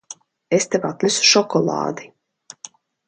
Es tev atnesu šokolādi.